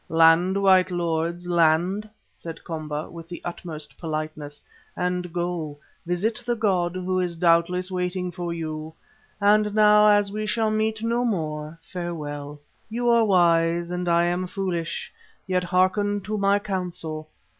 "Land, white lords, land," said Komba with the utmost politeness, "and go, visit the god who doubtless is waiting for you. And now, as we shall meet no more farewell. You are wise and I am foolish, yet hearken to my counsel.